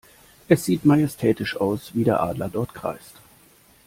Es sieht majestätisch aus, wie der Adler dort kreist.